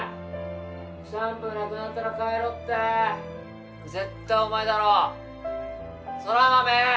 シャンプーなくなったら替えろって絶対お前だろ空豆！